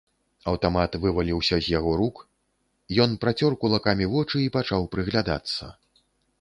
Аўтамат вываліўся з яго рук, ён працёр кулакамі вочы і пачаў прыглядацца.